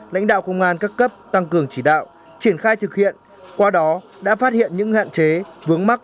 lãnh đạo công an các cấp tăng cường chỉ đạo triển khai thực hiện qua đó đã phát hiện những hạn chế vướng mắc